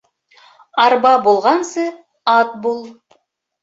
Арба булғансы, ат бул.